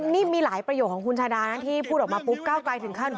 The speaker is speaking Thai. นี่มีหลายประโยคของคุณชาดานะที่พูดออกมาปุ๊บก้าวไกลถึงขั้น